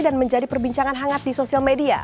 dan menjadi perbincangan hangat di sosial media